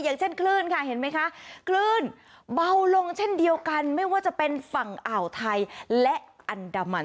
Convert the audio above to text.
อย่างเช่นคลื่นค่ะเห็นไหมคะคลื่นเบาลงเช่นเดียวกันไม่ว่าจะเป็นฝั่งอ่าวไทยและอันดามัน